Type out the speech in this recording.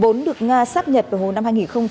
vốn được nga xác nhật vào hồn năm hai nghìn một mươi bốn